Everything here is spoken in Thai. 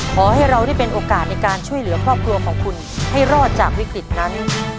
ขอให้เราได้เป็นโอกาสในการช่วยเหลือครอบครัวของคุณให้รอดจากวิกฤตนั้น